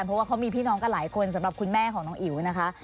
เพราะว่าเขามีพี่น้องกันหลายคนสำหรับคุณแม่ของน้องอิ๋วนะคะ